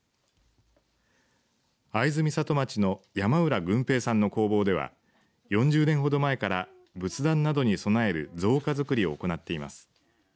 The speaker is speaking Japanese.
会津美里町の山浦軍兵さんの工房では４０年ほど前から仏壇などに供える造花づくりを行っています。